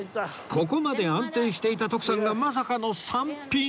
ここまで安定していた徳さんがまさかの３ピン